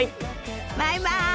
バイバイ！